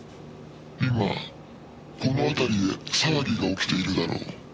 「今この辺りで騒ぎが起きているだろう」